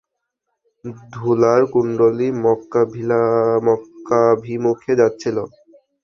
ধূলার কুণ্ডলী মক্কাভিমুখে যাচ্ছিল।